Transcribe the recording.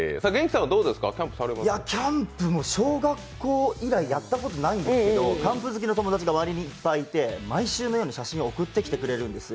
キャンプも小学校以来やったことないんですけどキャンプ好きの友達がいっぱいいて、毎週のように写真を送ってきてくれるんですよ。